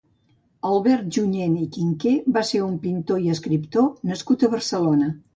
Albert Junyent i Quinquer va ser un pintor i escriptor nascut a Barcelona.